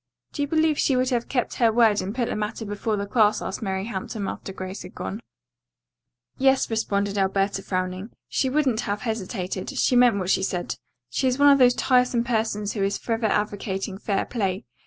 "Do you believe she would have kept her word and put the matter before the class?" asked Mary Hampton after Grace had gone. "Yes," responded Alberta, frowning. "She wouldn't have hesitated. She meant what she said. She is one of those tiresome persons who is forever advocating fair play.